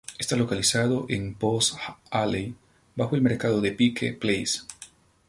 Está localizado en Post Alley bajo el Mercado de Pike Place.